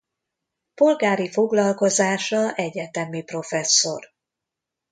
Polgári foglalkozása egyetemi professzor.